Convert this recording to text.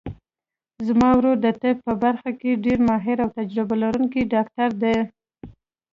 زما ورور د طب په برخه کې ډېر ماهر او تجربه لرونکی ډاکټر ده